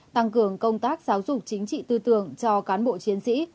tăng cường công tác giáo dục chính trị tư tưởng cho cán bộ chiến sĩ